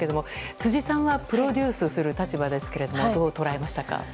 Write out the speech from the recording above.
辻さんはプロデュースする立場ですがどう捉えましたか？